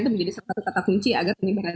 itu menjadi satu kata kunci agar penyimpangan